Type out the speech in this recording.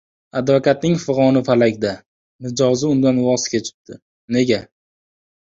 Advokatning fig‘oni falakda: mijozi undan voz kechibdi. Nega?